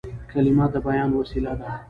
کلیمه د بیان وسیله ده.